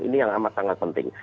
ini yang amat sangat penting